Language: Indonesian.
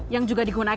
yang juga digunakan